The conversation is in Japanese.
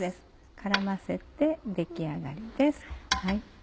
絡ませて出来上がりです。